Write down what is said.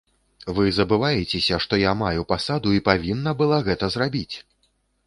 Вы забываецеся, што я маю пасаду і павінна была гэта зрабіць!